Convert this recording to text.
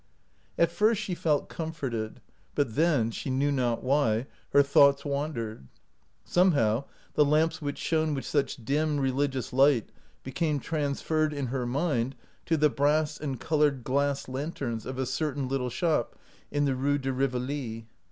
At first she felt comforted, but then, she knew not why, her thoughts wandered. Somehow the lamps which shone with such dim religious light became transferred in her mind to the brass and colored glass lanterns of a certain little shop in the Rue de Rivoli.